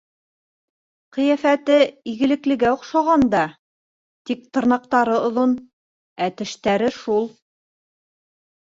Ҡиәфәте игелеклегә оҡшаған да, тик тырнаҡтары оҙон, ә тештәре шул